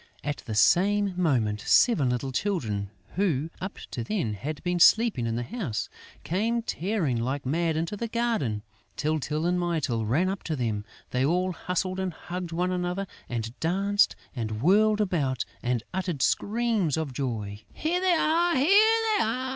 At the same moment, seven little children, who, up to then, had been sleeping in the house, came tearing like mad into the garden. Tyltyl and Mytyl ran up to them. They all hustled and hugged one another and danced and whirled about and uttered screams of joy. "Here they are, here they are!"